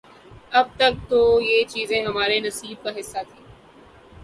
اب تک تو یہ چیزیں ہمارے نصیب کا حصہ تھیں۔